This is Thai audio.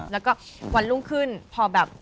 แล้วก็วันรุ่งขึ้นพอแบบ